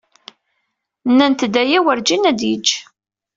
Nnant-d aya werǧin ad yeǧǧ.